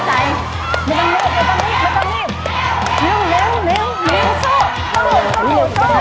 กำลังใจ